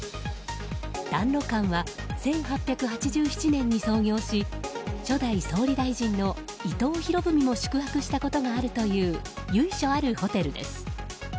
談露館は１８８７年に創業し初代総理大臣の伊藤博文も宿泊したことがあるという由緒あるホテルです。